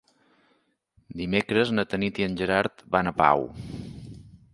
Dimecres na Tanit i en Gerard van a Pau.